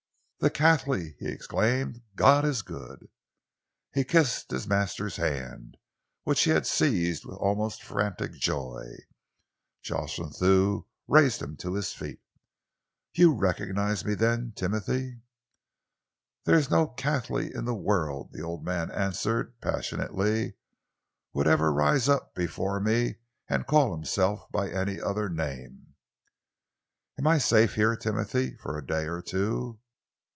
"The Cathley!" he exclaimed. "God is good!" He kissed his master's hand, which he had seized with almost frantic joy. Jocelyn Thew raised him to his feet. "You recognised me then, Timothy?" "There is no Cathley in the world," the old man answered passionately, "would ever rise up before me and call himself by any other name." "Am I safe here, Timothy, for a day or two?"